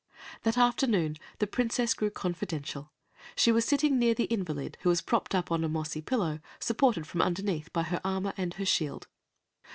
That afternoon the Princess grew confidential. She was sitting near the invalid, who was propped up on a mossy pillow, supported from underneath by her armor and her shield.